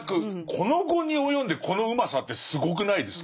この期に及んでこのうまさってすごくないですか。